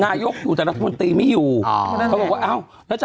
นายกออกมาพูดก่อนนะฮะนั่นฮะ